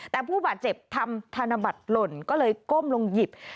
แต่ผู้บาดเจ็บทำธนบัตรหล่นก็เลยก้มลงหยิบ